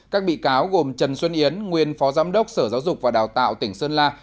các bị cáo gồm trần xuân yến nguyên phó giám đốc sở giáo dục và đào tạo tỉnh sơn la